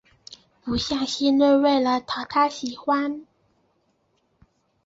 不像昔日为了讨他喜欢